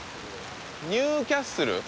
ニューキャッスル？